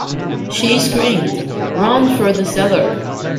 She screamed; "run for the cellar!"